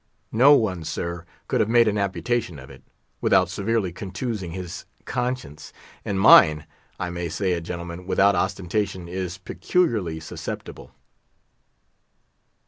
No one, sir, could have made an amputation of it, without severely contusing his conscience. And mine—I may say it, gentlemen, without ostentation is—peculiarly susceptible."